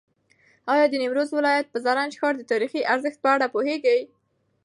ایا د نیمروز ولایت د زرنج ښار د تاریخي ارزښت په اړه پوهېږې؟